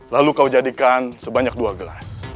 lalu kau jadikan sebanyak dua gelas